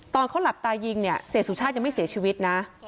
ตอนเขาหลับตายิงเนี่ยเสียสุชาติยังไม่เสียชีวิตนะ